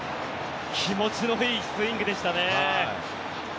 気持ちのいいスイングでしたね。